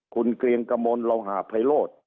คุณเกรียงกะโมนเราหาไพโลศ